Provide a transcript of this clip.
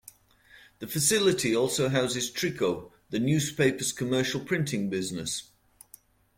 The facility also houses Trico, the newspaper's commercial printing business.